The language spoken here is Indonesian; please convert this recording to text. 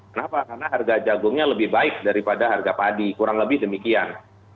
kenapa karena harga jagungnya lebih baik daripada harga padi kurang lebih demikian